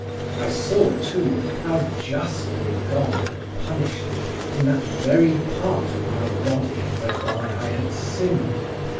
I saw, too, how justly God had punished me in that very part of my body whereby I had sinned.